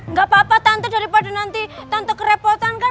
nggak apa apa tante daripada nanti tante kerepotan kan